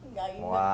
nggak inget pasti